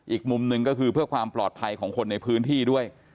อีกมุมหนึ่งก็คือเพื่อความปลอดภัยของคนในพื้นที่ด้วย